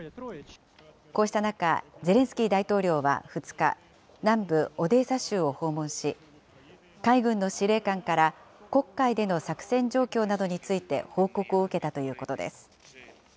こうした中、ゼレンスキー大統領は２日、南部オデーサ州を訪問し、海軍の司令官から黒海での作戦状況などについて報告を受けたということです。